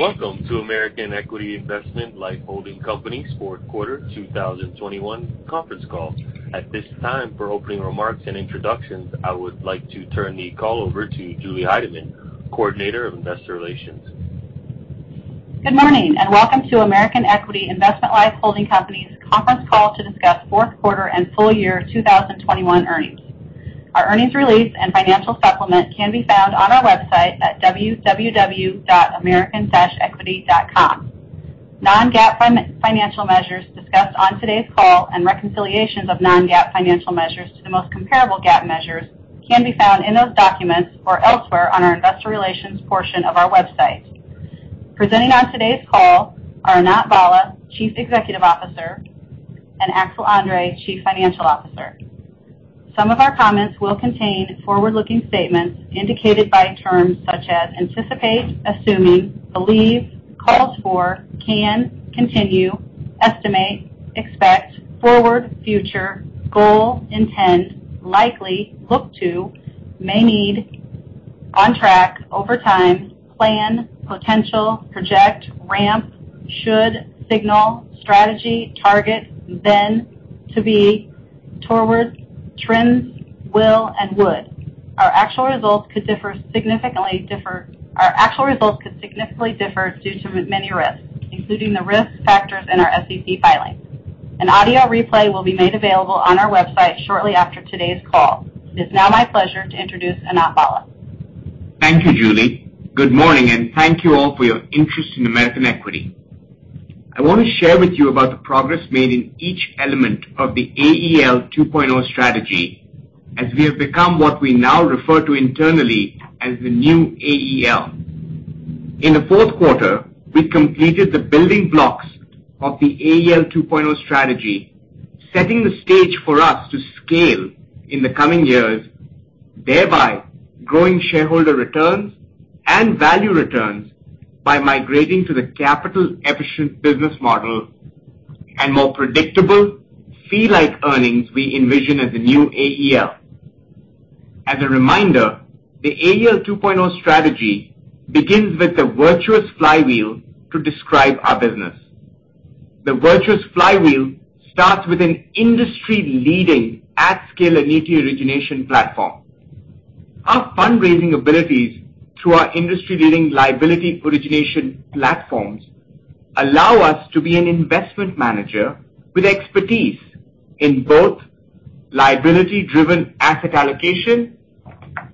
Welcome to American Equity Investment Life Holding Company's fourth quarter 2021 conference call. At this time, for opening remarks and introductions, I would like to turn the call over to Julie Heidemann, Coordinator of Investor Relations. Good morning, and welcome to American Equity Investment Life Holding Company's conference call to discuss fourth quarter and full year 2021 earnings. Our earnings release and financial supplement can be found on our website at www.american-equity.com. Non-GAAP financial measures discussed on today's call and reconciliations of non-GAAP financial measures to the most comparable GAAP measures can be found in those documents or elsewhere on our investor relations portion of our website. Presenting on today's call are Anant Bhalla, Chief Executive Officer, and Axel André, Chief Financial Officer. Some of our comments will contain forward-looking statements indicated by terms such as anticipate, assuming, believe, calls for, can, continue, estimate, expect, forward, future, goal, intend, likely, look to, may need, on track, over time, plan, potential, project, ramp, should, signal, strategy, target, then, to be, towards, trends, will, and would. Our actual results could significantly differ due to many risks, including the risk factors in our SEC filings. An audio replay will be made available on our website shortly after today's call. It's now my pleasure to introduce Anant Bhalla. Thank you, Julie. Good morning, and thank you all for your interest in American Equity. I wanna share with you about the progress made in each element of the AEL 2.0 strategy as we have become what we now refer to internally as the new AEL. In the fourth quarter, we completed the building blocks of the AEL 2.0 strategy, setting the stage for us to scale in the coming years, thereby growing shareholder returns and value returns by migrating to the capital efficient business model and more predictable fee-like earnings we envision as the new AEL. As a reminder, the AEL 2.0 strategy begins with the virtuous flywheel to describe our business. The virtuous flywheel starts with an industry-leading at-scale annuity origination platform. Our fundraising abilities through our industry-leading liability origination platforms allow us to be an investment manager with expertise in both liability-driven asset allocation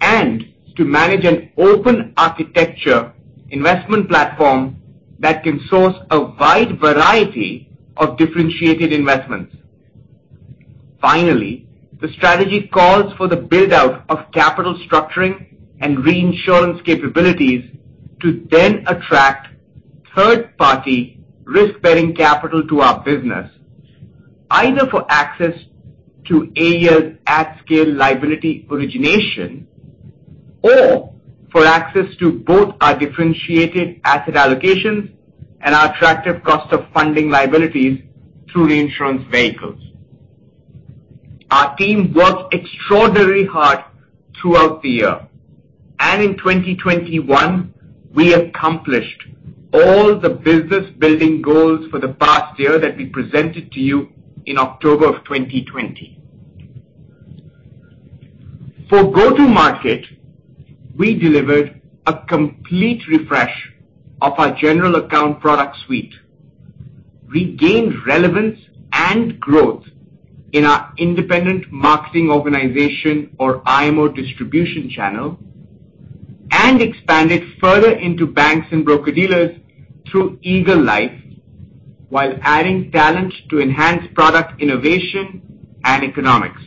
and to manage an open architecture investment platform that can source a wide variety of differentiated investments. Finally, the strategy calls for the build-out of capital structuring and reinsurance capabilities to then attract third-party risk-bearing capital to our business, either for access to AEL's at-scale liability origination or for access to both our differentiated asset allocations and our attractive cost of funding liabilities through reinsurance vehicles. Our team worked extraordinarily hard throughout the year. In 2021, we accomplished all the business-building goals for the past year that we presented to you in October of 2020. For go-to-market, we delivered a complete refresh of our general account product suite, regained relevance and growth in our independent marketing organization or IMO distribution channel, and expanded further into banks and broker-dealers through Eagle Life while adding talent to enhance product innovation and economics.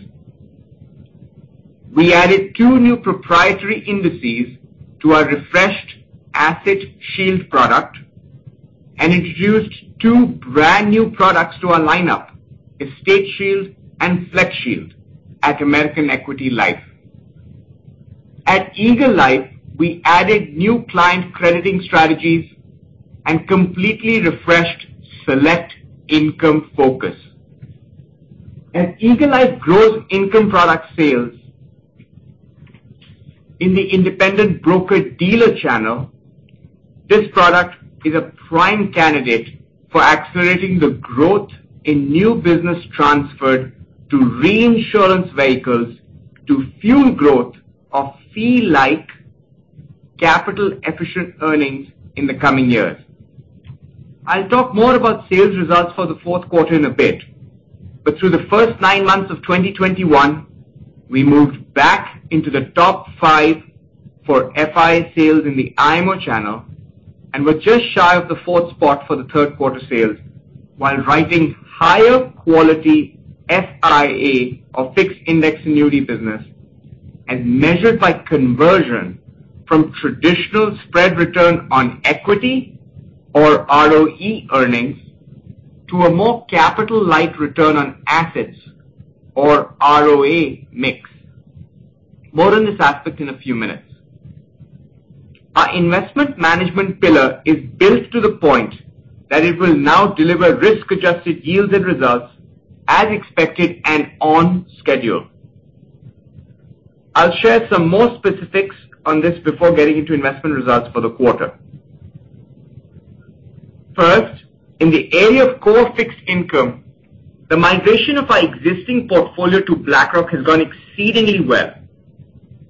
We added two new proprietary indices to our refreshed AssetShield product and introduced two brand-new products to our lineup, EstateShield and FlexShield at American Equity Life. At Eagle Life, we added new client crediting strategies and completely refreshed Select Income Focus. As Eagle Life grows income product sales in the independent broker-dealer channel, this product is a prime candidate for accelerating the growth in new business transferred to reinsurance vehicles to fuel growth of fee-like capital efficient earnings in the coming years. I'll talk more about sales results for the fourth quarter in a bit. Through the first nine months of 2021, we moved back into the top five for FIA sales in the IMO channel and were just shy of the fourth spot for the third quarter sales while writing higher quality FIA or Fixed Index Annuity business and measured by conversion from traditional spread return on equity or ROE earnings to a more capital-light return on assets or ROA mix. More on this aspect in a few minutes. Our investment management pillar is built to the point that it will now deliver risk-adjusted yields and results as expected and on schedule. I'll share some more specifics on this before getting into investment results for the quarter. First, in the area of core fixed income, the migration of our existing portfolio to BlackRock has gone exceedingly well.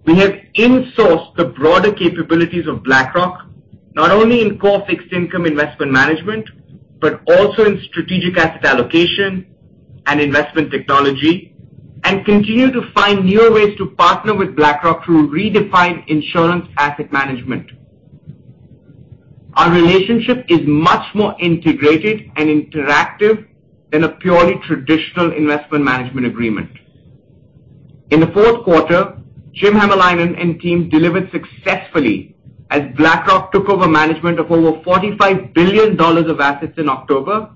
We have insourced the broader capabilities of BlackRock, not only in core fixed income investment management, but also in strategic asset allocation and investment technology, and continue to find newer ways to partner with BlackRock to redefine insurance asset management. Our relationship is much more integrated and interactive than a purely traditional investment management agreement. In the fourth quarter, Jim Hamalainen and team delivered successfully as BlackRock took over management of over $45 billion of assets in October,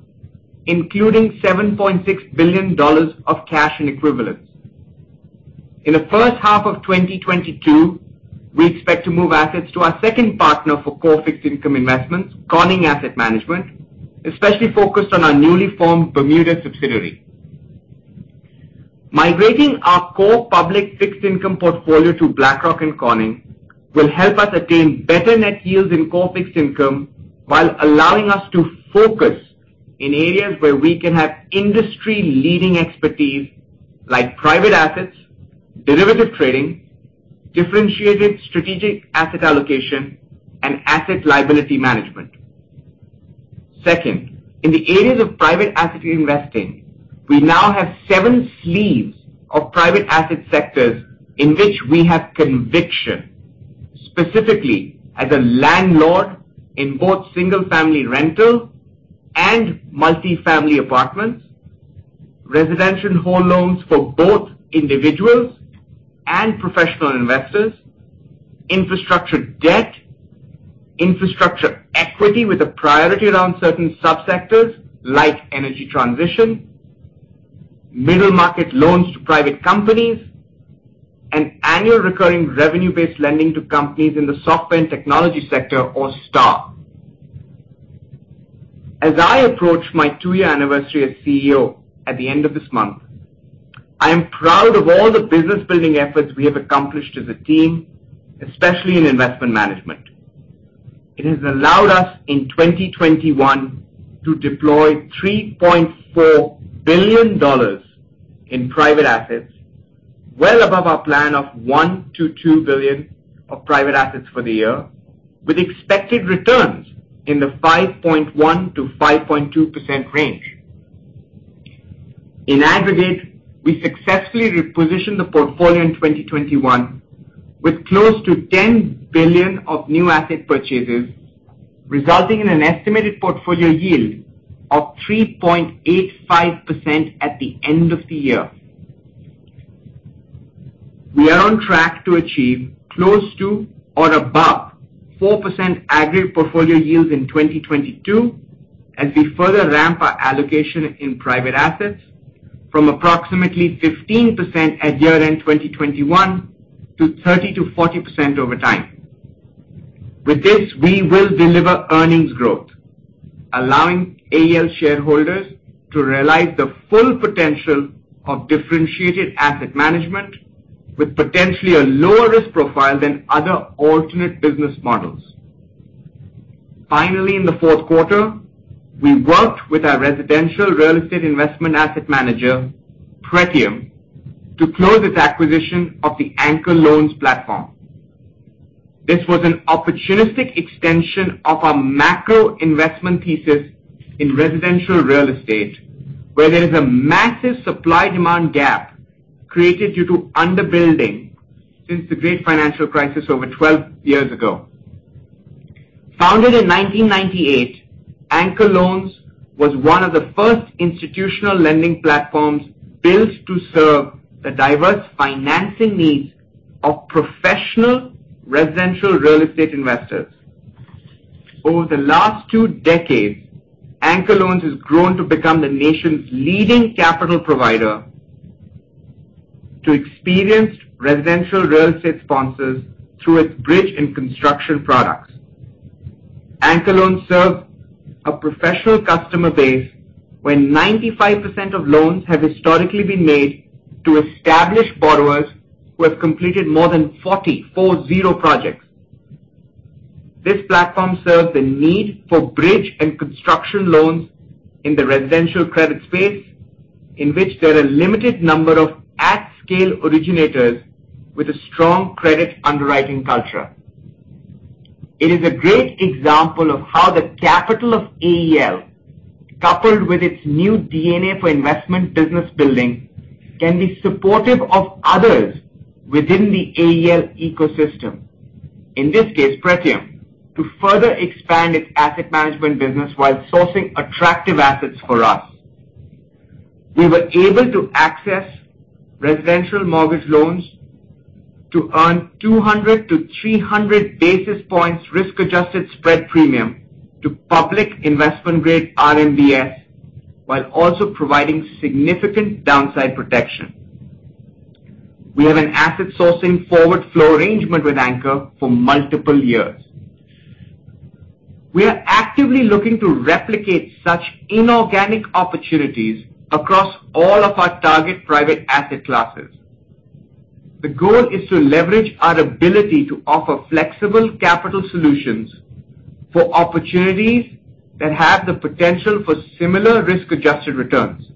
including $7.6 billion of cash and equivalents. In the first half of 2022, we expect to move assets to our second partner for core fixed income investments, Conning Asset Management, especially focused on our newly formed Bermuda subsidiary. Migrating our core public fixed income portfolio to BlackRock and Conning will help us attain better net yields in core fixed income while allowing us to focus in areas where we can have industry-leading expertise like private assets, derivative trading, differentiated strategic asset allocation, and asset liability management. Second, in the areas of private asset investing, we now have seven sleeves of private asset sectors in which we have conviction, specifically as a landlord in both single-family rental and multi-family apartments, residential home loans for both individuals and professional investors, infrastructure debt, infrastructure equity with a priority around certain subsectors like energy transition, middle market loans to private companies, and annual recurring revenue-based lending to companies in the Software and Technology Sector or STAR. As I approach my two year anniversary as CEO at the end of this month, I am proud of all the business-building efforts we have accomplished as a team, especially in investment management. It has allowed us in 2021 to deploy $3.4 billion in private assets, well above our plan of $1 billion-$2 billion of private assets for the year, with expected returns in the 5.1%-5.2% range. In aggregate, we successfully repositioned the portfolio in 2021 with close to $10 billion of new asset purchases, resulting in an estimated portfolio yield of 3.85% at the end of the year. We are on track to achieve close to or above 4% aggregate portfolio yields in 2022 as we further ramp our allocation in private assets from approximately 15% at year-end 2021 to 30%-40% over time. With this, we will deliver earnings growth, allowing AEL shareholders to realize the full potential of differentiated asset management with potentially a lower risk profile than other alternate business models. Finally, in the fourth quarter, we worked with our residential real estate investment asset manager, Pretium, to close its acquisition of the Anchor Loans platform. This was an opportunistic extension of our macro investment thesis in residential real estate, where there is a massive supply-demand gap created due to under-building since the great financial crisis over 12 years ago. Founded in 1998, Anchor Loans was one of the first institutional lending platforms built to serve the diverse financing needs of professional residential real estate investors. Over the last two decades, Anchor Loans has grown to become the nation's leading capital provider to experienced residential real estate sponsors through its bridge and construction products. Anchor Loans serves a professional customer base when 95% of loans have historically been made to established borrowers who have completed more than 440 projects. This platform serves the need for bridge and construction loans in the residential credit space in which there are a limited number of at-scale originators with a strong credit underwriting culture. It is a great example of how the capital of AEL, coupled with its new DNA for investment business building, can be supportive of others within the AEL ecosystem, in this case, Pretium, to further expand its asset management business while sourcing attractive assets for us. We were able to access residential mortgage loans to earn 200 basis points-300 basis points risk-adjusted spread premium to public investment grade RMBS while also providing significant downside protection. We have an asset sourcing forward flow arrangement with Anchor for multiple years. We are actively looking to replicate such inorganic opportunities across all of our target private asset classes. The goal is to leverage our ability to offer flexible capital solutions for opportunities that have the potential for similar risk-adjusted returns.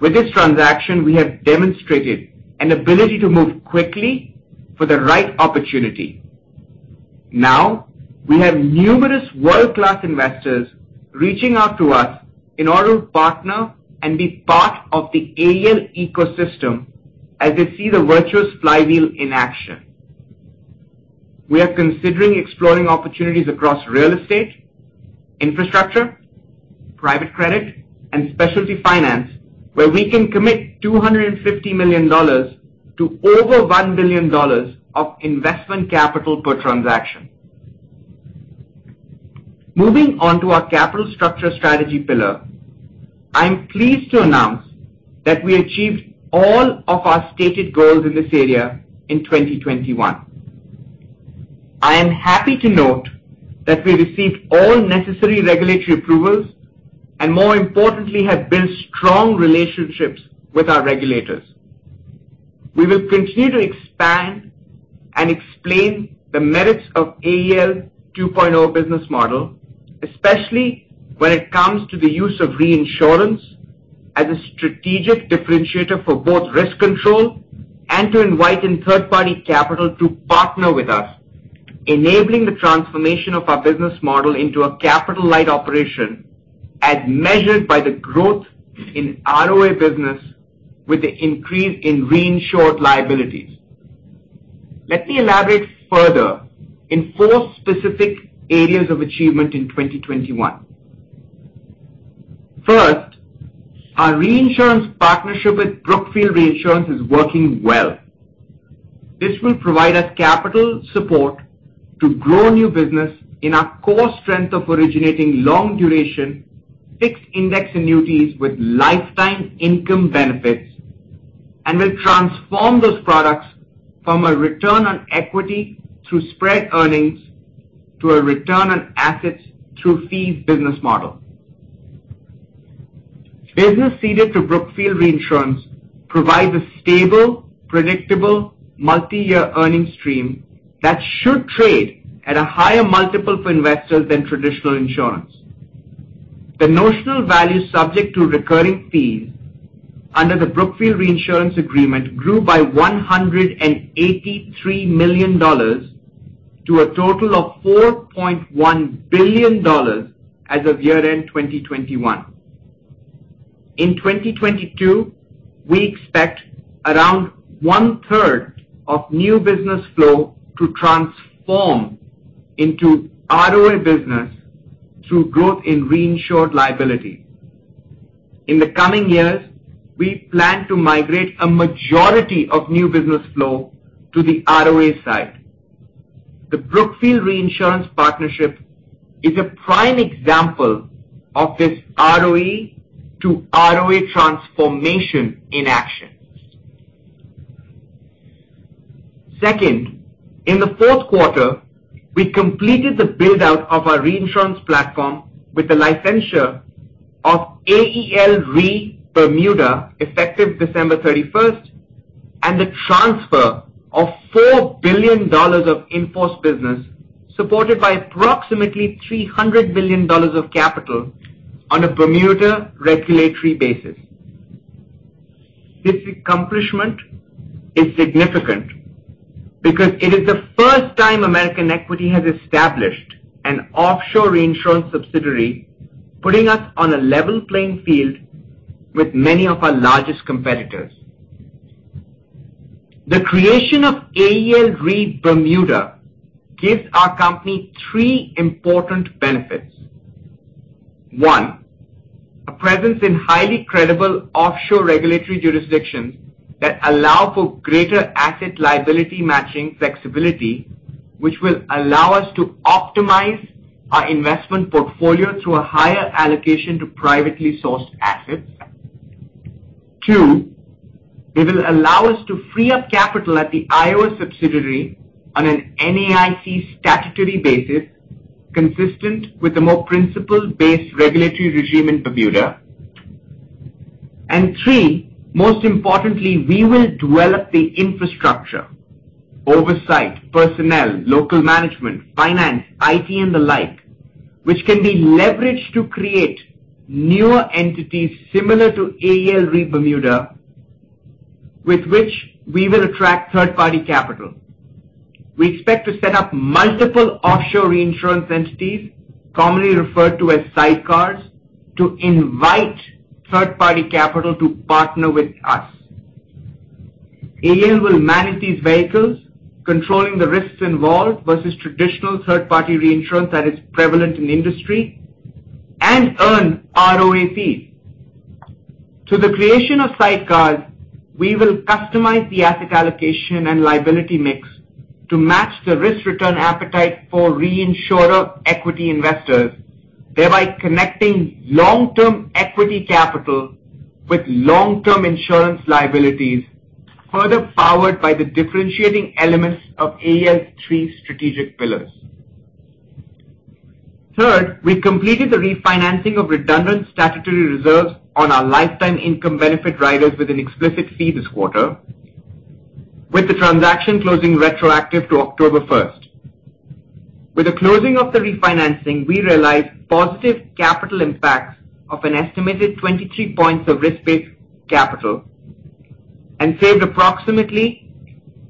With this transaction, we have demonstrated an ability to move quickly for the right opportunity. Now, we have numerous world-class investors reaching out to us in order to partner and be part of the AEL ecosystem as they see the virtuous flywheel in action. We are considering exploring opportunities across real estate, infrastructure, private credit, and specialty finance, where we can commit $250 million to over $1 billion of investment capital per transaction. Moving on to our capital structure strategy pillar, I am pleased to announce that we achieved all of our stated goals in this area in 2021. I am happy to note that we received all necessary regulatory approvals, and more importantly, have built strong relationships with our regulators. We will continue to expand and explain the merits of AEL 2.0 business model, especially when it comes to the use of reinsurance as a strategic differentiator for both risk control and to invite in third-party capital to partner with us, enabling the transformation of our business model into a capital-light operation as measured by the growth in ROA business with the increase in reinsured liabilities. Let me elaborate further in four specific areas of achievement in 2021. First, our reinsurance partnership with Brookfield Reinsurance is working well. This will provide us capital support to grow new business in our core strength of originating long duration, fixed index annuities with lifetime income benefits and will transform those products from a return on equity through spread earnings to a return on assets through fees business model. Business ceded to Brookfield Reinsurance provides a stable, predictable, multi-year earning stream that should trade at a higher multiple for investors than traditional insurance. The notional value subject to recurring fees under the Brookfield Reinsurance agreement grew by $183 million to a total of $4.1 billion as of year-end 2021. In 2022, we expect around 1/3 of new business flow to transform into ROA business through growth in reinsured liability. In the coming years, we plan to migrate a majority of new business flow to the ROA side. The Brookfield Reinsurance partnership is a prime example of this ROE to ROA transformation in action. Second, in the fourth quarter, we completed the build-out of our reinsurance platform with the licensure of AEL Re Bermuda effective December 31st and the transfer of $4 billion of in-force business supported by approximately $300 billion of capital on a Bermuda regulatory basis. This accomplishment is significant because it is the first time American Equity has established an offshore reinsurance subsidiary, putting us on a level playing field with many of our largest competitors. The creation of AEL Re Bermuda gives our company three important benefits. One, a presence in highly credible offshore regulatory jurisdictions that allow for greater asset liability matching flexibility, which will allow us to optimize our investment portfolio through a higher allocation to privately sourced assets. Two, it will allow us to free up capital at the Iowa subsidiary on an NAIC statutory basis, consistent with the more principle-based regulatory regime in Bermuda. Three, most importantly, we will develop the infrastructure, oversight, personnel, local management, finance, IT, and the like, which can be leveraged to create newer entities similar to AEL Re Bermuda, with which we will attract third-party capital. We expect to set up multiple offshore reinsurance entities, commonly referred to as sidecars, to invite third-party capital to partner with us. AEL will manage these vehicles, controlling the risks involved versus traditional third-party reinsurance that is prevalent in the industry and earn ROA fees. To the creation of sidecars, we will customize the asset allocation and liability mix to match the risk-return appetite for reinsurer equity investors, thereby connecting long-term equity capital with long-term insurance liabilities. Further powered by the differentiating elements of AEL three strategic pillars. Third, we completed the refinancing of redundant statutory reserves on our lifetime income benefit riders with an explicit fee this quarter, with the transaction closing retroactive to October 1st. With the closing of the refinancing, we realized positive capital impacts of an estimated 23 points of risk-based capital and saved approximately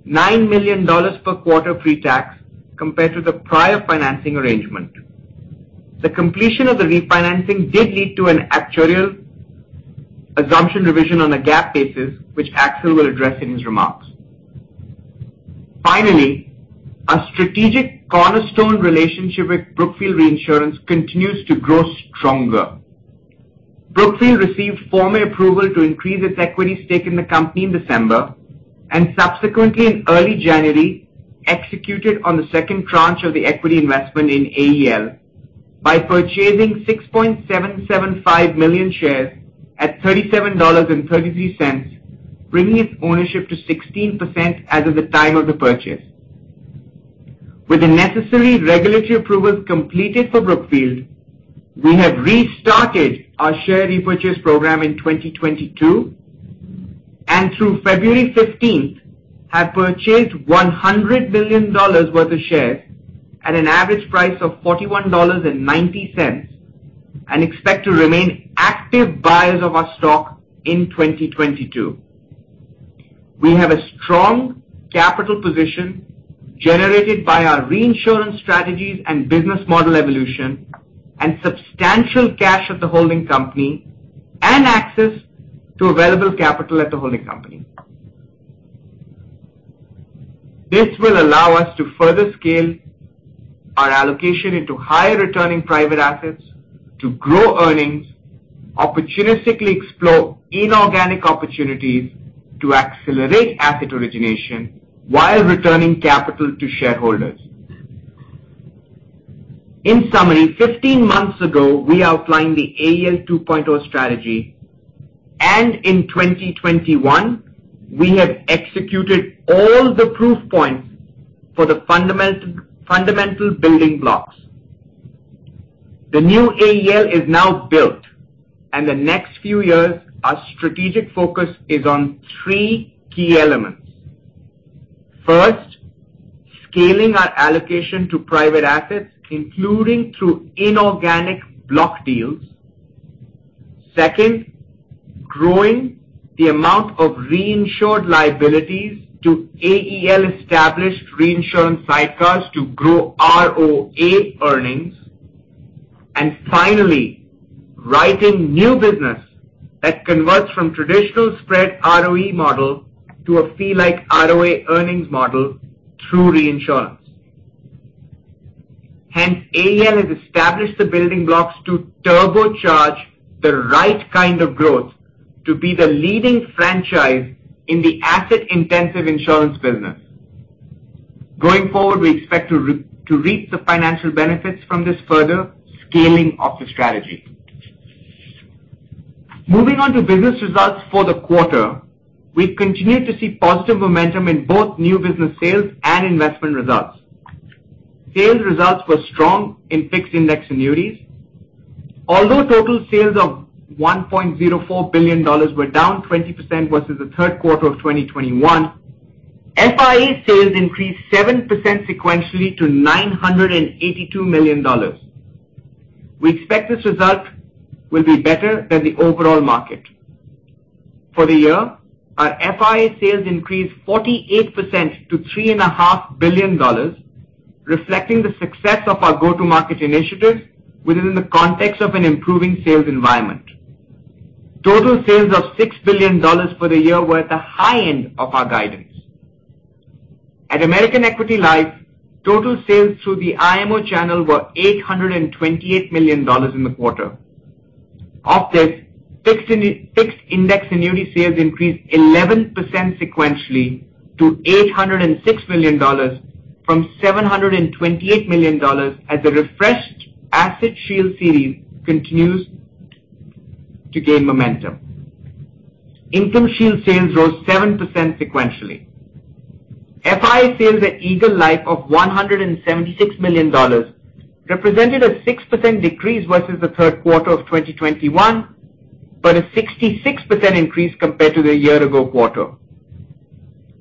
$9 million per quarter pre-tax compared to the prior financing arrangement. The completion of the refinancing did lead to an actuarial assumption revision on a GAAP basis, which Axel will address in his remarks. Finally, our strategic cornerstone relationship with Brookfield Reinsurance continues to grow stronger. Brookfield received formal approval to increase its equity stake in the company in December, and subsequently in early January, executed on the second tranche of the equity investment in AEL by purchasing 6.775 million shares at $37.33, bringing its ownership to 16% as of the time of the purchase. With the necessary regulatory approvals completed for Brookfield, we have restarted our share repurchase program in 2022, and through February 15th have purchased $100 million worth of shares at an average price of $41.90, and expect to remain active buyers of our stock in 2022. We have a strong capital position generated by our reinsurance strategies and business model evolution and substantial cash at the holding company and access to available capital at the holding company. This will allow us to further scale our allocation into high returning private assets to grow earnings, opportunistically explore inorganic opportunities to accelerate asset origination while returning capital to shareholders. In summary, 15 months ago, we outlined the AEL 2.0 strategy, and in 2021 we have executed all the proof points for the fundamental building blocks. The new AEL is now built, and the next few years our strategic focus is on three key elements. First, scaling our allocation to private assets, including through inorganic block deals. Second, growing the amount of reinsured liabilities to AEL established reinsurance sidecars to grow ROA earnings. Finally, writing new business that converts from traditional spread ROE model to a fee-like ROA earnings model through reinsurance. Hence, AEL has established the building blocks to turbocharge the right kind of growth to be the leading franchise in the asset intensive insurance business. Going forward, we expect to reap the financial benefits from this further scaling of the strategy. Moving on to business results for the quarter. We continue to see positive momentum in both new business sales and investment results. Sales results were strong in fixed index annuities. Although total sales of $1.04 billion were down 20% versus the third quarter of 2021, FIA sales increased 7% sequentially to $982 million. We expect this result will be better than the overall market. For the year, our FIA sales increased 48% to $3.5 billion, reflecting the success of our go-to-market initiatives within the context of an improving sales environment. Total sales of $6 billion for the year were at the high end of our guidance. At American Equity Life, total sales through the IMO channel were $828 million in the quarter. Of this, fixed index annuity sales increased 11% sequentially to $806 million from $728 million as the refreshed AssetShield series continues to gain momentum. IncomeShield sales rose 7% sequentially. FIA sales at Eagle Life of $176 million represented a 6% decrease versus the third quarter of 2021, but a 66% increase compared to the year-ago quarter.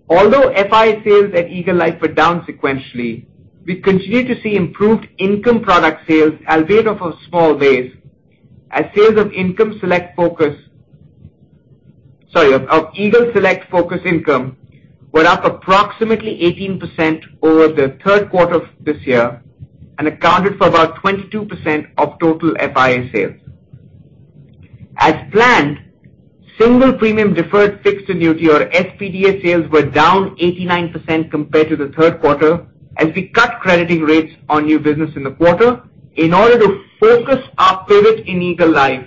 Although FIA sales at Eagle Life were down sequentially, we continue to see improved income product sales, albeit of a small base, as sales of Eagle Select Income Focus were up approximately 18% over the third quarter of this year and accounted for about 22% of total FIA sales. As planned, Single Premium Deferred Fixed Annuity or SPDA sales were down 89% compared to the third quarter as we cut crediting rates on new business in the quarter in order to focus our pivot in Eagle Life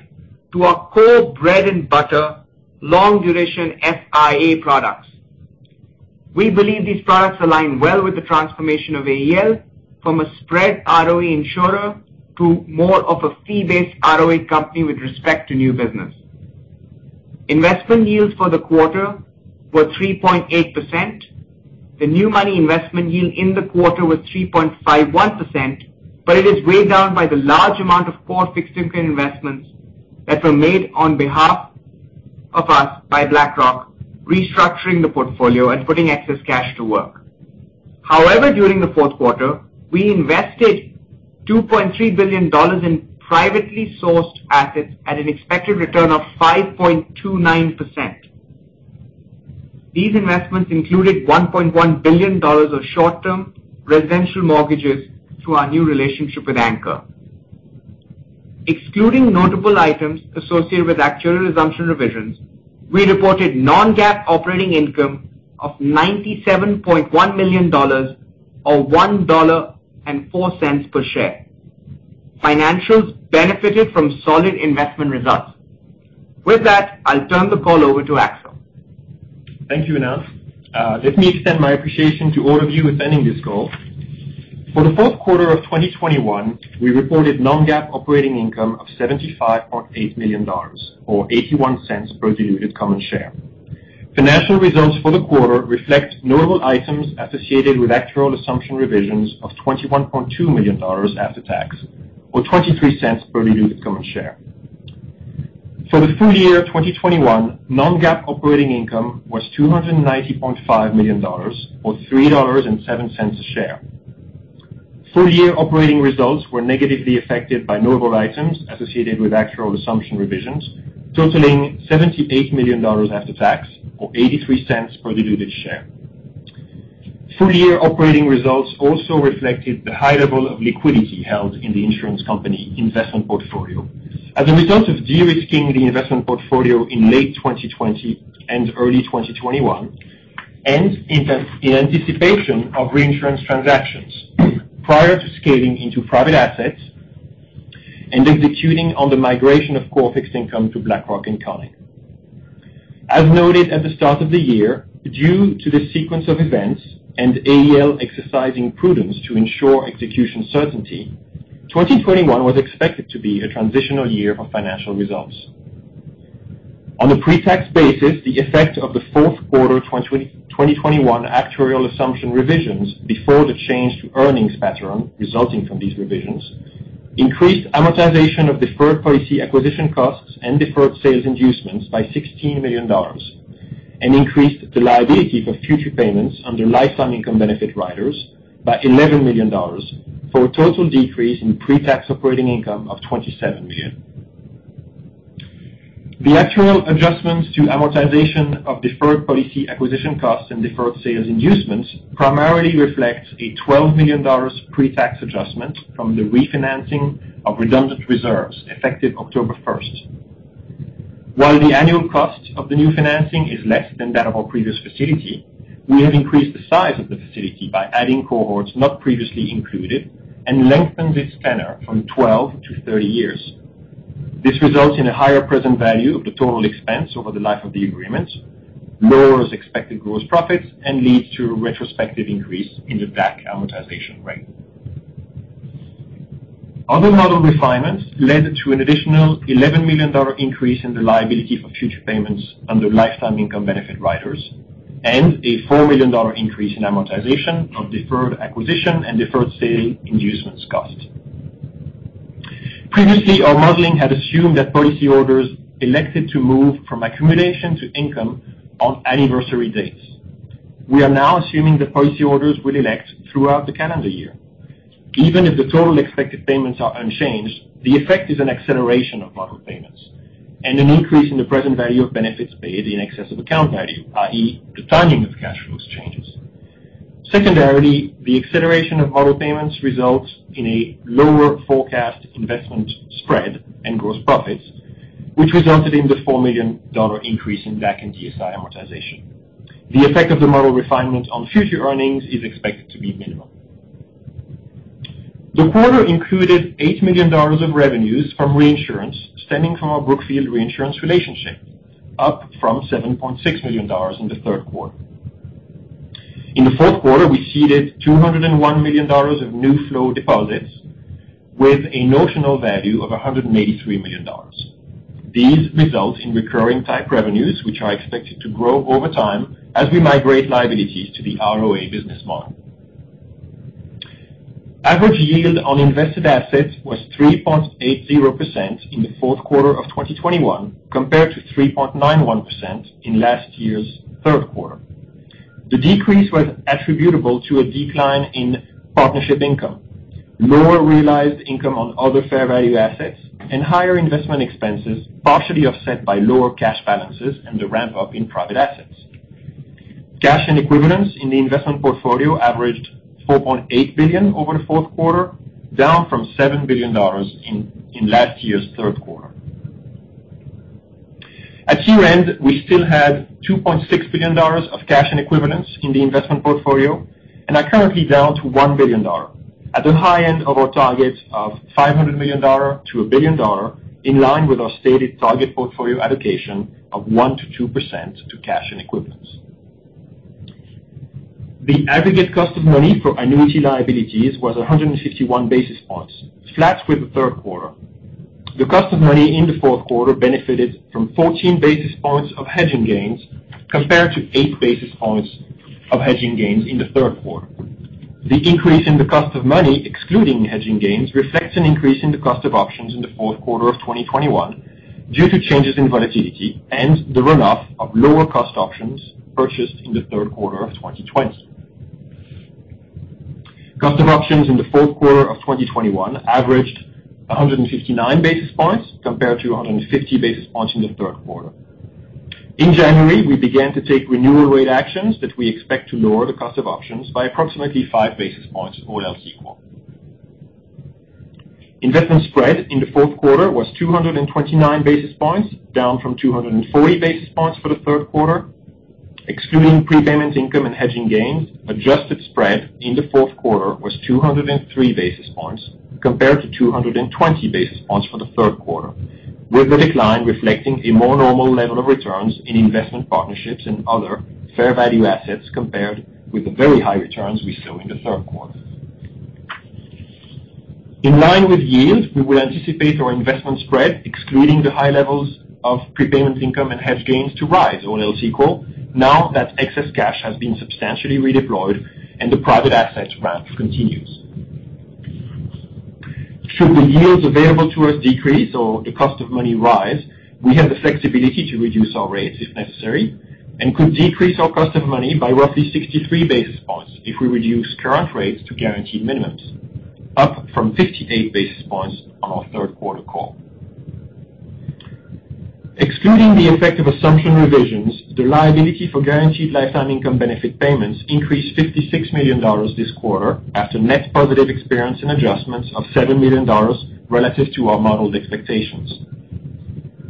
to our core bread and butter long duration FIA products. We believe these products align well with the transformation of AEL from a spread ROE insurer to more of a fee-based ROA company with respect to new business. Investment yields for the quarter were 3.8%. The new money investment yield in the quarter was 3.51%, but it is weighed down by the large amount of core fixed income investments that were made on behalf of us by BlackRock restructuring the portfolio and putting excess cash to work. However, during the fourth quarter, we invested $2.3 billion in privately sourced assets at an expected return of 5.29%. These investments included $1.1 billion of short-term residential mortgages through our new relationship with Anchor. Excluding notable items associated with actuarial assumption revisions, we reported non-GAAP operating income of $97.1 million or $1.04 per share. Financials benefited from solid investment results. With that, I'll turn the call over to Axel. Thank you, Anant. Let me extend my appreciation to all of you attending this call. For the fourth quarter of 2021, we reported non-GAAP operating income of $75.8 million or $0.81 per diluted common share. Financial results for the quarter reflect notable items associated with actuarial assumption revisions of $21.2 million after tax or $0.23 per diluted common share. For the full year 2021, non-GAAP operating income was $290.5 million or $3.07 a share. Full year operating results were negatively affected by notable items associated with actuarial assumption revisions, totaling $78 million after tax or $0.83 per diluted share. Full year operating results also reflected the high level of liquidity held in the insurance company investment portfolio. As a result of de-risking the investment portfolio in late 2020 and early 2021, and in anticipation of reinsurance transactions prior to scaling into private assets and executing on the migration of core fixed income to BlackRock, Inc. As noted at the start of the year, due to the sequence of events and AEL exercising prudence to ensure execution certainty, 2021 was expected to be a transitional year of financial results. On a pre-tax basis, the effect of the fourth quarter 2021 actuarial assumption revisions before the change to earnings pattern resulting from these revisions, increased amortization of deferred policy acquisition costs and deferred sales inducements by $16 million, and increased the liability for future payments under lifetime income benefit riders by $11 million, for a total decrease in pre-tax operating income of $27 million. The actuarial adjustments to amortization of deferred policy acquisition costs and deferred sales inducements primarily reflect a $12 million pre-tax adjustment from the refinancing of redundant reserves effective October 1st. While the annual cost of the new financing is less than that of our previous facility, we have increased the size of the facility by adding cohorts not previously included and lengthened its tenure from 12 years to 30 years. This results in a higher present value of the total expense over the life of the agreement, lowers expected gross profits, and leads to a retrospective increase in the DAC amortization rate. Other model refinements led to an additional $11 million increase in the liability for future payments under lifetime income benefit riders, and a $4 million increase in amortization of deferred acquisition costs and deferred sales inducement cost. Previously, our modeling had assumed that policyholders elected to move from accumulation to income on anniversary dates. We are now assuming the policyholders will elect throughout the calendar year. Even if the total expected payments are unchanged, the effect is an acceleration of model payments and an increase in the present value of benefits paid in excess of account value, i.e., the timing of cash flows changes. Secondarily, the acceleration of model payments results in a lower forecast investment spread and gross profits, which resulted in the $4 million increase in DAC and DSI amortization. The effect of the model refinement on future earnings is expected to be minimal. The quarter included $8 million of revenues from reinsurance stemming from our Brookfield Reinsurance relationship, up from $7.6 million in the third quarter. In the fourth quarter, we ceded $201 million of new flow deposits with a notional value of $183 million. These results in recurring type revenues, which are expected to grow over time as we migrate liabilities to the ROA business model. Average yield on invested assets was 3.80% in the fourth quarter of 2021, compared to 3.91% in last year's third quarter. The decrease was attributable to a decline in partnership income, lower realized income on other fair value assets, and higher investment expenses, partially offset by lower cash balances and the ramp-up in private assets. Cash and equivalents in the investment portfolio averaged $4.8 billion over the fourth quarter, down from $7 billion in last year's third quarter. At year-end, we still had $2.6 billion of cash and equivalents in the investment portfolio, and are currently down to $1 billion. At the high end of our target of $500 million-$1 billion, in line with our stated target portfolio allocation of 1%-2% to cash and equivalents. The aggregate cost of money for annuity liabilities was 151 basis points, flat with the third quarter. The cost of money in the fourth quarter benefited from 14 basis points of hedging gains compared to 8 basis points of hedging gains in the third quarter. The increase in the cost of money, excluding hedging gains, reflects an increase in the cost of options in the fourth quarter of 2021 due to changes in volatility and the run-off of lower cost options purchased in the third quarter of 2020. Cost of options in the fourth quarter of 2021 averaged 159 basis points compared to 150 basis points in the third quarter. In January, we began to take renewal rate actions that we expect to lower the cost of options by approximately 5 basis points all else equal. Investment spread in the fourth quarter was 229 basis points, down from 240 basis points for the third quarter. Excluding prepayment income and hedging gains, adjusted spread in the fourth quarter was 203 basis points compared to 220 basis points for the third quarter, with the decline reflecting a more normal level of returns in investment partnerships and other fair value assets compared with the very high returns we saw in the third quarter. In line with yield, we will anticipate our investment spread, excluding the high levels of prepayment income and hedge gains to rise all else equal now that excess cash has been substantially redeployed and the private assets ramp continues. Should the yields available to us decrease or the cost of money rise, we have the flexibility to reduce our rates if necessary and could decrease our cost of money by roughly 63 basis points if we reduce current rates to guaranteed minimums, up from 58 basis points on our third quarter call. Excluding the effect of assumption revisions, the liability for guaranteed lifetime income benefit payments increased $56 million this quarter after net positive experience and adjustments of $7 million relative to our modeled expectations.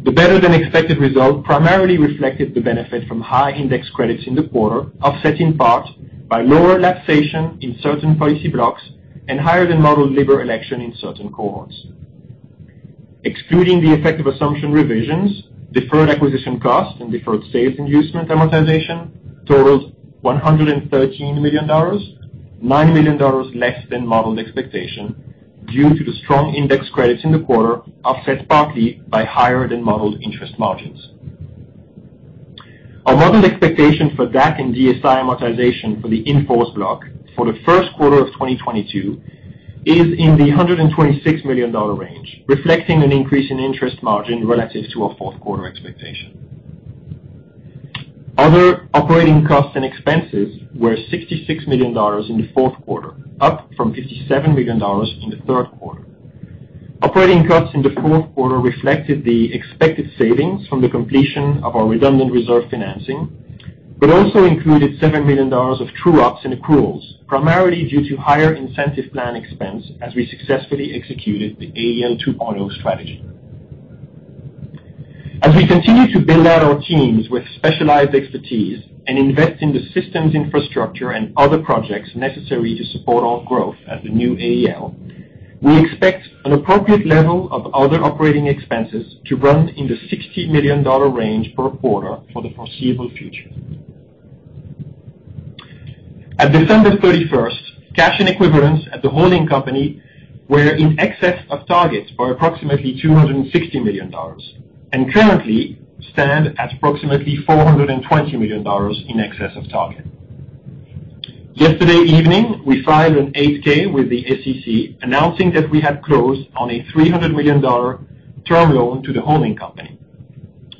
The better than expected result primarily reflected the benefit from high index credits in the quarter, offset in part by lower lapsation in certain policy blocks and higher than modeled lapse election in certain cohorts. Excluding the effect of assumption revisions, deferred acquisition costs and deferred sales inducement amortization totaled $113 million, $9 million less than modeled expectation due to the strong index credits in the quarter, offset partly by higher than modeled interest margins. Our modeled expectation for DAC and DSI amortization for the in-force block for the first quarter of 2022 is in the $126 million range, reflecting an increase in interest margin relative to our fourth quarter expectation. Other operating costs and expenses were $66 million in the fourth quarter, up from $57 million in the third quarter. Operating costs in the fourth quarter reflected the expected savings from the completion of our redundant reserve financing, but also included $7 million of true ups and accruals, primarily due to higher incentive plan expense as we successfully executed the AEL 2.0 strategy. As we continue to build out our teams with specialized expertise and invest in the systems infrastructure and other projects necessary to support our growth as the new AEL, we expect an appropriate level of other operating expenses to run in the $60 million range per quarter for the foreseeable future. At December 31st, cash and equivalents at the holding company were in excess of targets by approximately $260 million, and currently stand at approximately $420 million in excess of target. Yesterday evening, we filed an 8-K with the SEC announcing that we had closed on a $300 million term loan to the holding company.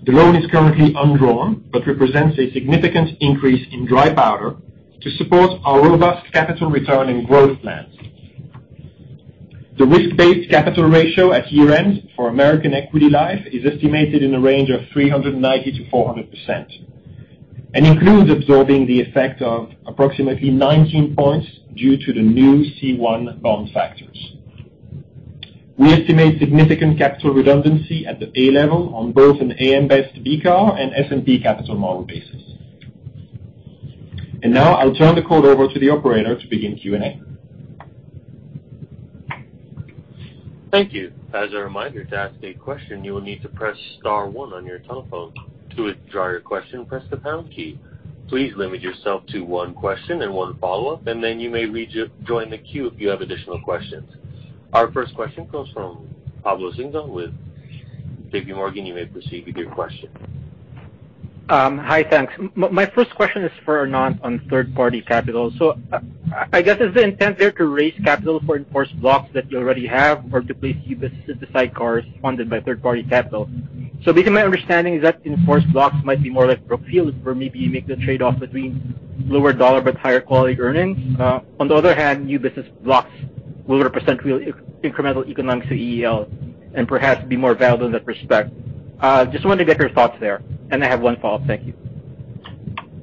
The loan is currently undrawn, but represents a significant increase in dry powder to support our robust capital return and growth plans. The risk-based capital ratio at year-end for American Equity Life is estimated in the range of 390%-400% and includes absorbing the effect of approximately 19 points due to the new C1 bond factors. We estimate significant capital redundancy at the A level on both an AM Best BCAR and S&P Capital Model basis. Now I'll turn the call over to the operator to begin Q&A. Thank you. As a reminder, to ask a question, you will need to press star one on your telephone. To withdraw your question, press the pound key. Please limit yourself to one question and one follow-up, and then you may rejoin the queue if you have additional questions. Our first question comes from Pablo Singzon with JPMorgan. You may proceed with your question. Hi. Thanks. My first question is for Anant on third-party capital. I guess is the intent there to raise capital for in-force blocks that you already have or to place new business at the Sidecars funded by third party capital? Based on my understanding is that in-force blocks might be more like prop fuel for maybe you make the trade-off between lower dollar but higher quality earnings. On the other hand, new business blocks will represent real incremental economics to AEL and perhaps be more valuable in that respect. Just wanted to get your thoughts there. I have one follow-up. Thank you.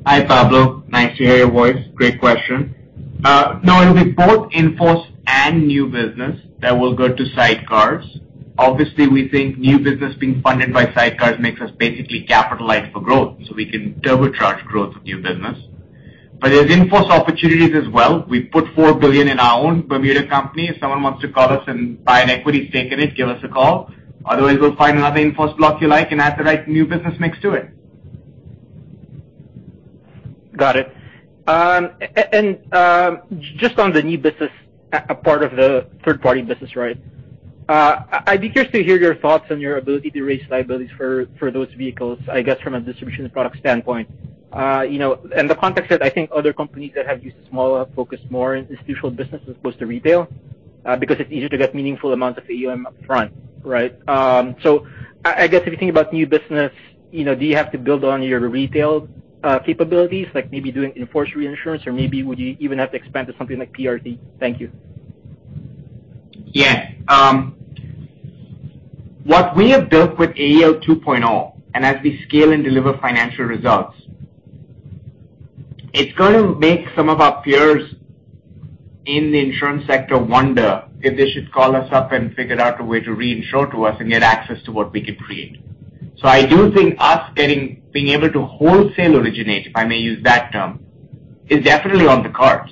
Hi, Pablo. Nice to hear your voice. Great question. No, it'll be both in-force and new business that will go to sidecars. Obviously, we think new business being funded by sidecars makes us basically capitalized for growth, so we can turbocharge growth of new business. There's in-force opportunities as well. We've put $4 billion in our own Bermuda company. If someone wants to call us and buy an equity stake in it, give us a call. Otherwise, we'll find another in-force block you like and add the right new business mix to it. Got it. Just on the new business, part of the third-party business, right? I'd be curious to hear your thoughts on your ability to raise liabilities for those vehicles, I guess, from a distribution and product standpoint. In the context that I think other companies that have a smaller focus more in institutional business as opposed to retail, because it's easier to get meaningful amounts of AUM upfront, right? I guess if you think about new business, do you have to build on your retail capabilities, like maybe doing in-force reinsurance, or maybe would you even have to expand to something like PRT? Thank you. Yeah. What we have built with AEL 2.0, and as we scale and deliver financial results, it's gonna make some of our peers in the insurance sector wonder if they should call us up and figure out a way to reinsure to us and get access to what we can create. I do think being able to wholesale originate, if I may use that term, is definitely on the cards.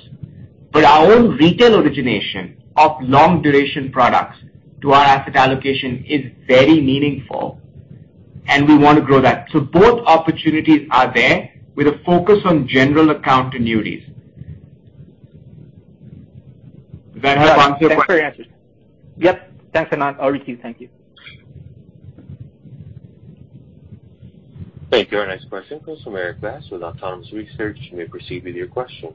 Our own retail origination of long duration products to our asset allocation is very meaningful, and we wanna grow that. Both opportunities are there with a focus on general account annuities. Does that help answer your question? Thanks for your answer. Yep. Thanks, Anant. I'll receive. Thank you. Thank you. Our next question comes from Erik Bass with Autonomous Research. You may proceed with your question.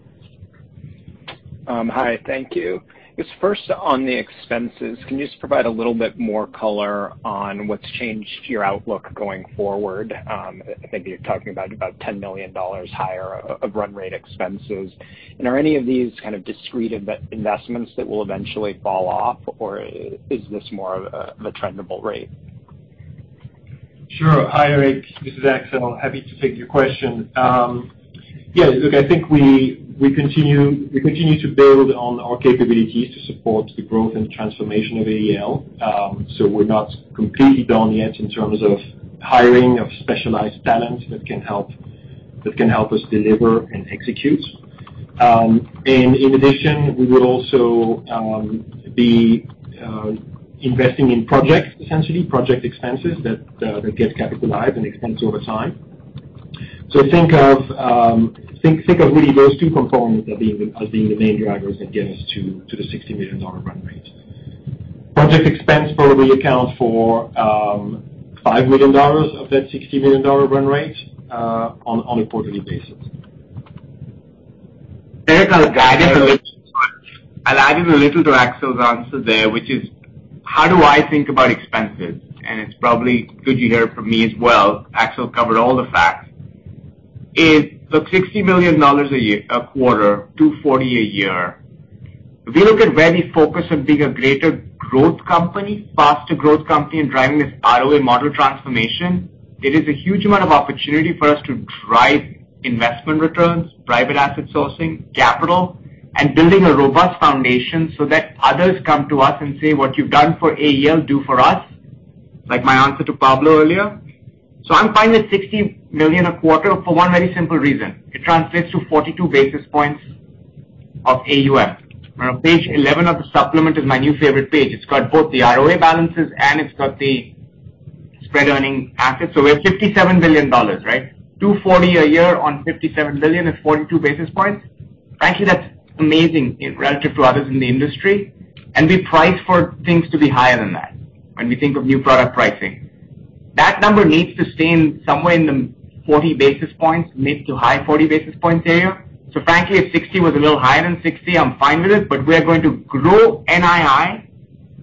Hi, thank you. Just first on the expenses, can you just provide a little bit more color on what's changed your outlook going forward? I think you're talking about about $10 million higher of run rate expenses. Are any of these kind of discrete investments that will eventually fall off, or is this more of a trendable rate? Sure. Hi, Erik. This is Axel, happy to take your question. Yeah, look, I think we continue to build on our capabilities to support the growth and transformation of AEL. We're not completely done yet in terms of hiring of specialized talent that can help us deliver and execute. In addition, we will also be investing in projects, essentially, project expenses that get capitalized and expensed over time. Think of really those two components as being the main drivers that get us to the $60 million run rate. Project expense probably accounts for $5 million of that $60 million run rate on a quarterly basis. Erik, I'll add a little to Axel's answer there, which is how do I think about expenses? It's probably good you hear it from me as well. Axel covered all the facts. Is the $60 million a quarter, $240 million a year. If you look at where we focus on being a greater growth company, faster growth company in driving this ROA model transformation, it is a huge amount of opportunity for us to drive investment returns, private asset sourcing, capital, and building a robust foundation so that others come to us and say, "What you've done for AEL, do for us," like my answer to Pablo earlier. I'm fine with $60 million a quarter for one very simple reason: it translates to 42 basis points of AUM. Page 11 of the supplement is my new favorite page. It's got both the ROA balances, and it's got the spread earning assets. We have $57 billion, right? $240 million a year on $57 billion is 42 basis points. Frankly, that's amazing relative to others in the industry. We price for things to be higher than that when we think of new product pricing. That number needs to stay in somewhere in the 40 basis points, mid- to high 40 basis points area. Frankly, if $60 million was a little higher than $60 million, I'm fine with it, but we are going to grow NII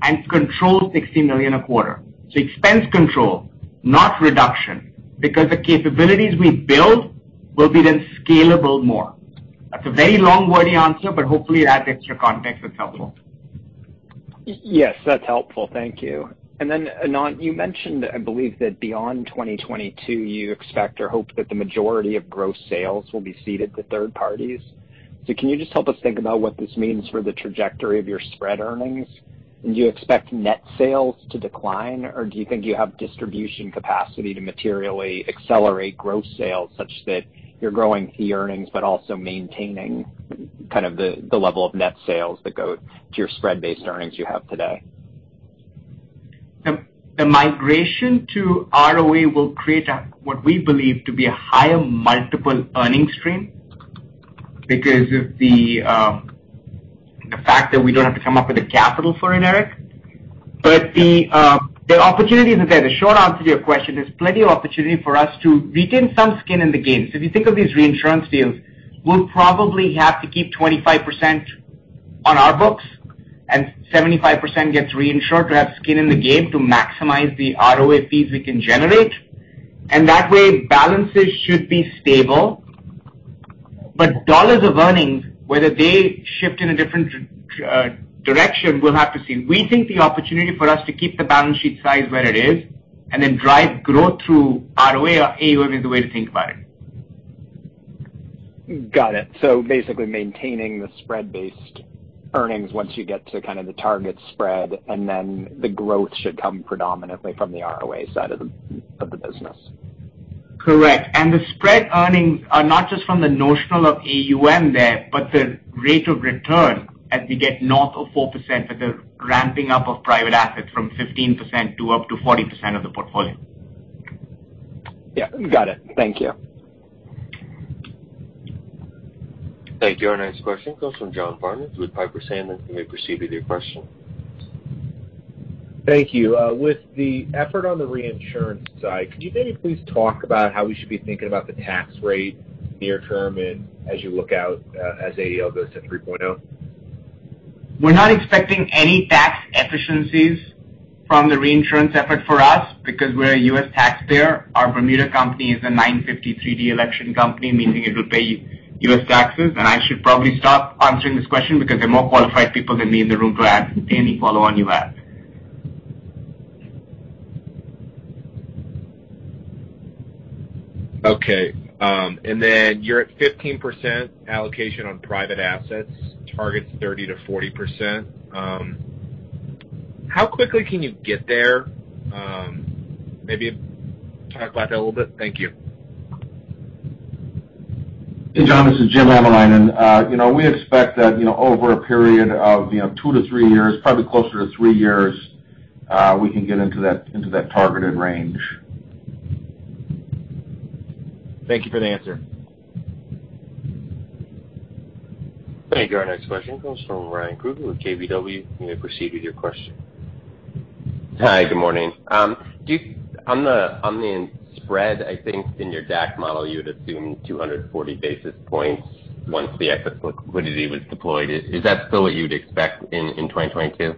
and control $60 million a quarter. Expense control, not reduction, because the capabilities we build will be then scalable more. That's a very long, wordy answer, but hopefully that gets you context that's helpful. Yes, that's helpful. Thank you. Then, Anant, you mentioned, I believe that beyond 2022, you expect or hope that the majority of gross sales will be ceded to third parties. Can you just help us think about what this means for the trajectory of your spread earnings? Do you expect net sales to decline, or do you think you have distribution capacity to materially accelerate growth sales such that you're growing fee earnings but also maintaining kind of the level of net sales that go to your spread-based earnings you have today? The migration to ROA will create what we believe to be a higher multiple earning stream because of the fact that we don't have to come up with the capital for it, Erik. The opportunities are there. The short answer to your question, there's plenty of opportunity for us to retain some skin in the game. If you think of these reinsurance deals, we'll probably have to keep 25% on our books and 75% gets reinsured to have skin in the game to maximize the ROA fees we can generate. That way, balances should be stable. Dollars of earnings, whether they shift in a different direction, we'll have to see. We think the opportunity for us to keep the balance sheet size where it is and then drive growth through ROA or AUM is the way to think about it. Got it. Basically maintaining the spread-based earnings once you get to kind of the target spread, and then the growth should come predominantly from the ROA side of the business. Correct. The spread earnings are not just from the notional of AUM there, but the rate of return as we get north of 4% with the ramping up of private assets from 15% to up to 40% of the portfolio. Yeah. Got it. Thank you. Thank you. Our next question comes from John Barnidge with Piper Sandler. You may proceed with your question. Thank you. With the effort on the reinsurance side, could you maybe please talk about how we should be thinking about the tax rate near term and as you look out, as AEL goes to 3.0? We're not expecting any tax efficiencies from the reinsurance effort for us because we're a U.S. taxpayer. Our Bermuda company is a 953(d) election company, meaning it will pay U.S. taxes. I should probably stop answering this question because there are more qualified people than me in the room to ask any follow-on you have. Okay. Then you're at 15% allocation on private assets, targets 30%-40%. How quickly can you get there? Maybe talk about that a little bit. Thank you. Hey, John, this is Jim Hamalainen. You know, we expect that, you know, over a period of two-three years, probably closer to three years, we can get into that targeted range. Thank you for the answer. Thank you. Our next question comes from Ryan Krueger with KBW. You may proceed with your question. Hi, good morning. On the spread, I think in your DAC model, you had assumed 240 basis points once the excess liquidity was deployed. Is that still what you'd expect in 2022?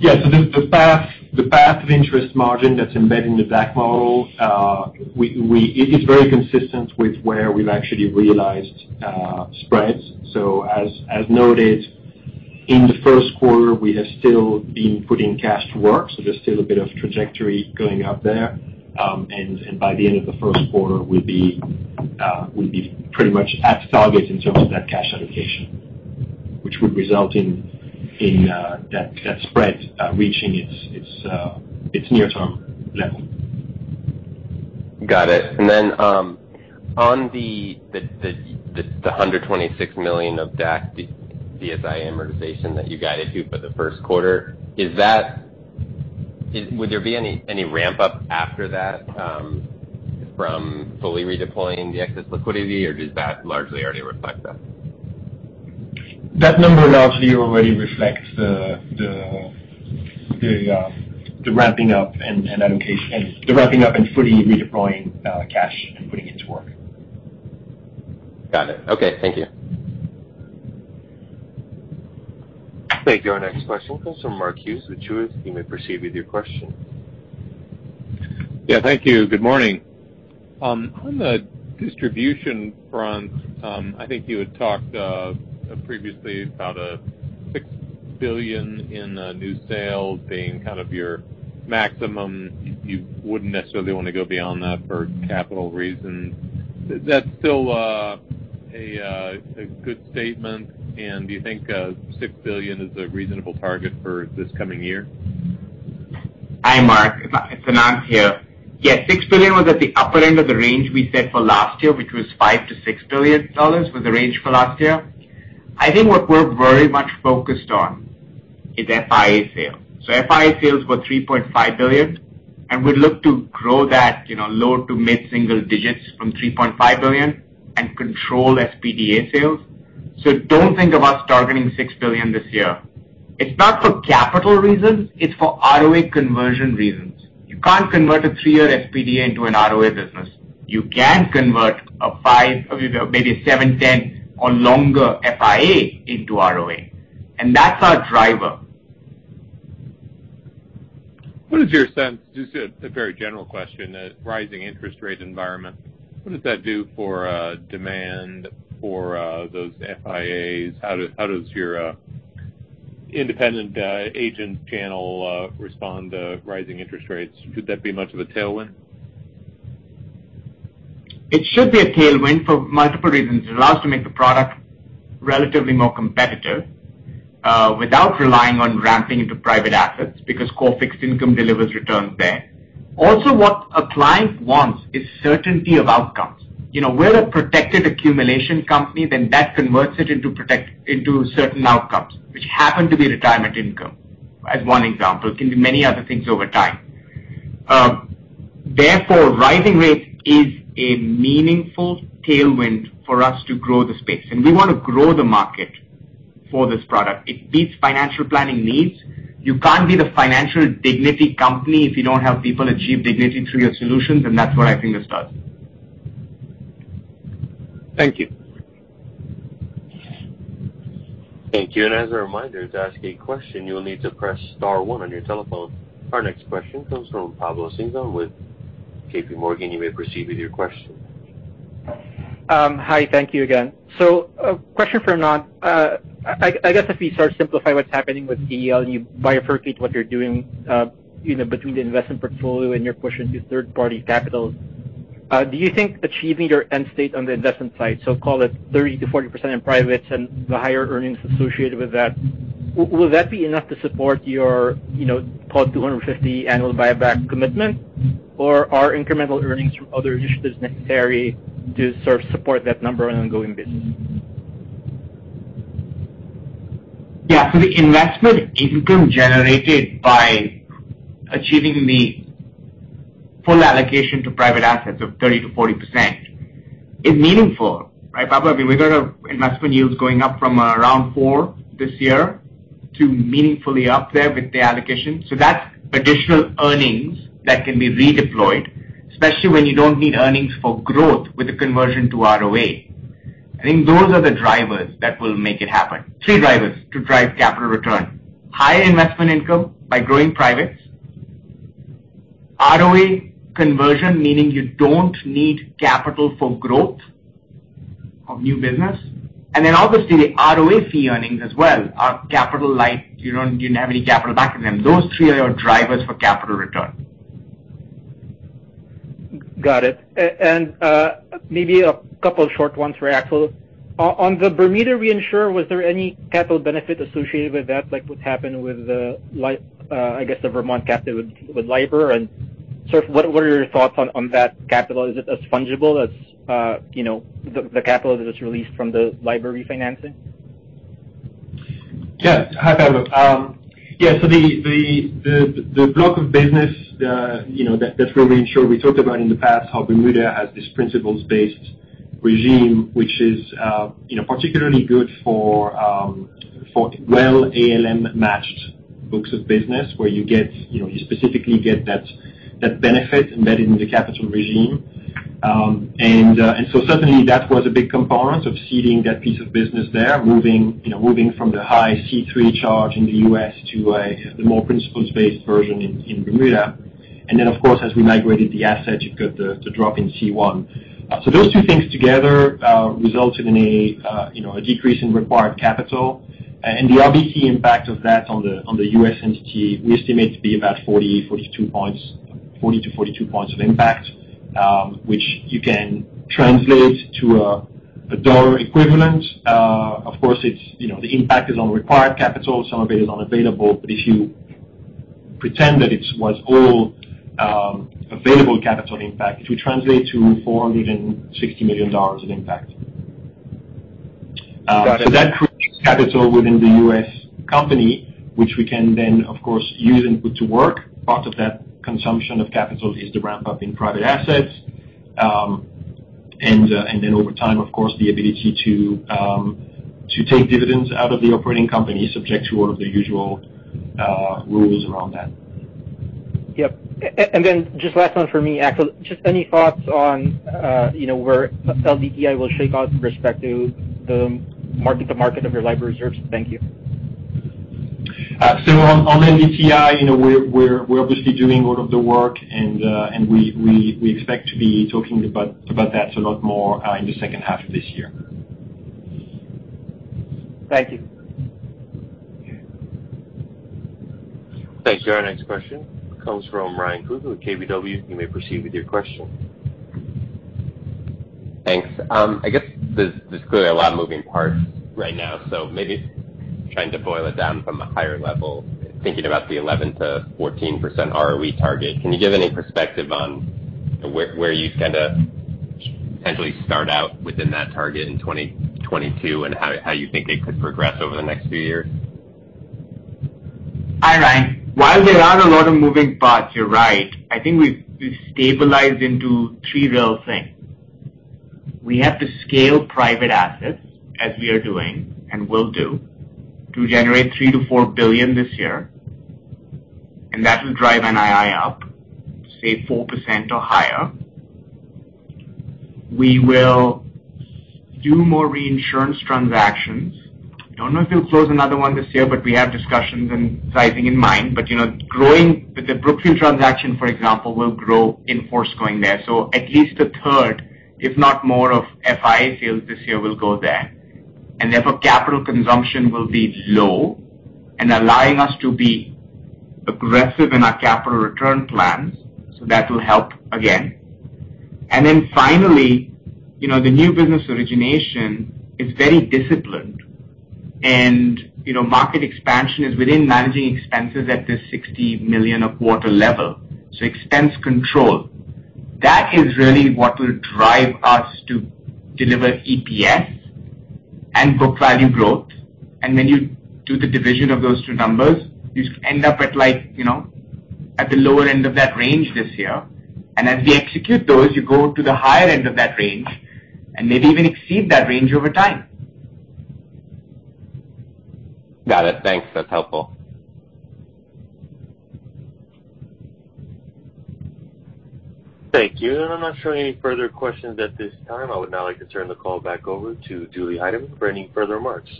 Yes. The path of interest margin that's embedded in the DAC model, it is very consistent with where we've actually realized spreads. As noted, in the first quarter, we have still been putting cash to work, so there's still a bit of trajectory going up there. By the end of the first quarter, we'll be pretty much at target in terms of that cash allocation, which would result in that spread reaching its near-term level. Got it. On the $126 million of DAC and DSI amortization that you guided to for the first quarter, would there be any ramp up after that, from fully redeploying the excess liquidity, or does that largely already reflect that? That number largely already reflects the ramping up and fully redeploying cash and putting it to work. Got it. Okay. Thank you. Thank you. Our next question comes from Mark Hughes with Truist Securities. You may proceed with your question. Yeah. Thank you. Good morning. On the distribution front, I think you had talked previously about a $6 billion in new sales being kind of your maximum. You wouldn't necessarily wanna go beyond that for capital reasons. Is that still a good statement? DO you think $6 billion is a reasonable target for this coming year? Hi, Mark. It's Anant here. Yes, $6 billion was at the upper end of the range we set for last year, which was $5 billion-$6 billion was the range for last year. I think what we're very much focused on is FIA sales. FIA sales were $3.5 billion, and we look to grow that, you know, low- to mid-single-digit percent from $3.5 billion and control SPDA sales. Don't think of us targeting $6 billion this year. It's not for capital reasons. It's for ROA conversion reasons. You can't convert a three year SPDA into an ROA business. You can convert a 5, or maybe a 7, 10, or longer FIA into ROA, and that's our driver. What is your sense, just a very general question, a rising interest rate environment, what does that do for demand for those FIAs? How does your independent agent channel respond to rising interest rates? Could that be much of a tailwind? It should be a tailwind for multiple reasons. It allows to make the product relatively more competitive without relying on ramping into private assets because core fixed income delivers returns there. Also, what a client wants is certainty of outcomes. We're a protected accumulation company, then that converts it into certain outcomes, which happen to be retirement income, as one example. It can be many other things over time. Therefore, rising rates is a meaningful tailwind for us to grow the space, and we wanna grow the market for this product. It meets financial planning needs. You can't be the financial dignity company if you don't help people achieve dignity through your solutions, and that's what I think this does. Thank you. Thank you. As a reminder, to ask a question, you will need to press star one on your telephone. Our next question comes from Pablo Singzon with JPMorgan. You may proceed with your question. Hi. Thank you again. A question for Anant. I guess if we start to simplify what's happening with AEL, you've articulated what you're doing, between the investment portfolio and your push into third-party capital. Do you think achieving your end state on the investment side, so call it 30%-40% in privates and the higher earnings associated with that, will that be enough to support your, you know, call it $250 million annual buyback commitment? Or are incremental earnings from other initiatives necessary to sort of support that number on ongoing business? Yeah. The investment income generated by achieving the full allocation to private assets of 30%-40% is meaningful, right, Pablo? I mean, we've got our investment yields going up from around 4% this year to meaningfully up there with the allocation. That's additional earnings that can be redeployed, especially when you don't need earnings for growth with the conversion to ROA. I think those are the drivers that will make it happen. Three drivers to drive capital return. Higher investment income by growing privates. ROA conversion, meaning you don't need capital for growth of new business. Then obviously, the ROA fee earnings as well are capital light. You didn't have any capital back in them. Those three are your drivers for capital return. Got it. Maybe a couple short ones for Axel. On the Bermuda reinsurer, was there any capital benefit associated with that, like what happened with, I guess, the Vermont capital with LIBR? Sort of, what are your thoughts on that capital? Is it as fungible as the capital that was released from the LIBR refinancing? Yeah. Hi, Pablo. Yeah, the block of business, that's where we've talked about in the past how Bermuda has this principles-based regime, which is particularly good for well ALM-matched books of business where you specifically get that benefit embedded in the capital regime. Certainly, that was a big component of ceding that piece of business there, moving from the high C-3 charge in the U.S. to the more principles-based version in Bermuda. Of course, as we migrated the assets, you've got the drop in C1. Those two things together resulted in, you know, a decrease in required capital. The RBC impact of that on the U.S. entity, we estimate to be about 40-42 points of impact, which you can translate to a dollar equivalent. Of course, you know, the impact is on required capital. Some of it is unavailable. If you pretend that it was all available capital impact, it will translate to $40 million-$60 million in impact. That creates capital within the U.S. company, which we can then, of course, use and put to work. Part of that consumption of capital is the ramp-up in private assets. Over time, of course, the ability to take dividends out of the operating company subject to all of the usual rules around that. Yep. Just last one for me, Axel. Just any thoughts on where LDTI will shake out with respect to the mark-to-market of your LIBR reserves? Thank you. On LDTI, you know, we're obviously doing a lot of the work, and we expect to be talking about that a lot more in the second half of this year. Thank you. Thank you. Our next question comes from Ryan Krueger with KBW. You may proceed with your question. Thanks. I guess there's clearly a lot of moving parts right now, so maybe trying to boil it down from a higher level, thinking about the 11%-14% ROE target, can you give any perspective on where you'd kinda potentially start out within that target in 2022, and how you think it could progress over the next few years? Hi, Ryan. While there are a lot of moving parts, you're right. I think we've stabilized into three real things. We have to scale private assets as we are doing and will do to generate $3 billion-$4 billion this year, and that will drive NII up, say, 4% or higher. We will do more reinsurance transactions. Don't know if we'll close another one this year, but we have discussions and sizing in mind. Growing with the Brookfield transaction, for example, will grow in force going there. At least a third, if not more of FIA sales this year will go there. Therefore, capital consumption will be low and allowing us to be aggressive in our capital return plans, so that will help again. Then finally, the new business origination is very disciplined. Market expansion is within managing expenses at this $60 million a quarter level. Expense control. That is really what will drive us to deliver EPS and book value growth. When you do the division of those two numbers, you end up at the lower end of that range this year. As we execute those, you go to the higher end of that range and maybe even exceed that range over time. Got it. Thanks. That's helpful. Thank you. I'm not showing any further questions at this time. I would now like to turn the call back over to Julie Heidemann for any further remarks.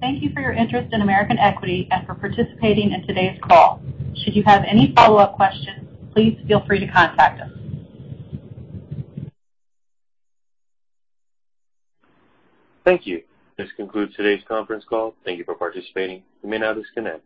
Thank you for your interest in American Equity and for participating in today's call. Should you have any follow-up questions, please feel free to contact us. Thank you. This concludes today's conference call. Thank you for participating. You may now disconnect.